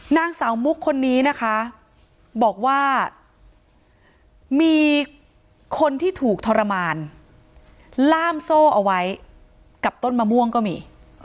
นางสาวมุกคนนี้นะคะบอกว่ามีคนที่ถูกทรมานล่ามโซ่เอาไว้กับต้นมะม่วงก็มี